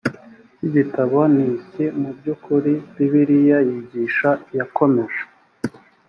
cy igitabo ni iki mu by ukuri bibiliya yigisha yakomeje